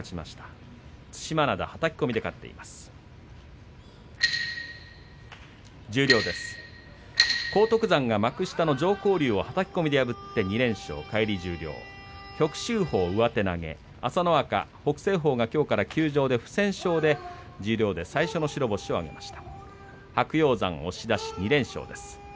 朝乃若は北青鵬がきょうから休場で不戦勝で十両で最初の白星を挙げました。